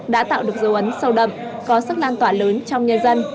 đã tạo được dấu ấn sâu đậm có sức lan tỏa lớn trong nhân dân